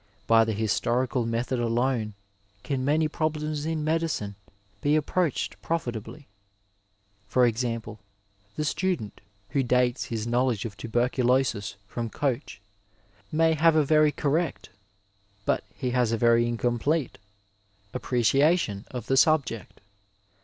By the historical method alone can many problems in medicine be approached profitably. For example, the student who dates his knowledge of tuberculosis from Eoch may have a very correct, but he has a very incomplete, appreciation of the subject.